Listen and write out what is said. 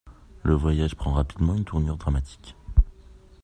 Le voyage prend rapidement une tournure dramatique.